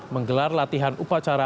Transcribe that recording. menggelar latihan upacara